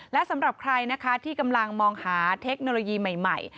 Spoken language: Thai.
และสำหรับใครนะคะที่กำลังมองหาเทคโนโลยีใหม่